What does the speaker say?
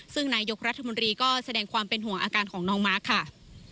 ซึ่งนายกรัฐมนตรีก็แสดงความเป็นห่วงอาการของน้องมาร์คค่ะ